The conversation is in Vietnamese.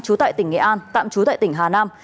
trú tại tỉnh nghệ an tạm trú tại tỉnh hà nam